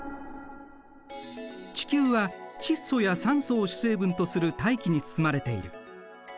地球は窒素や酸素を主成分とする大気に包まれている。